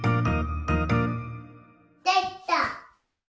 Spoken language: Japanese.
できた。